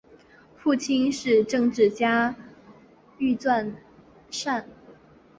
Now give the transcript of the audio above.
父亲是政治家钮传善。